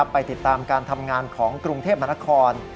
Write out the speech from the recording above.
ไปติดตามการทำงานของกรุงเทพมนคร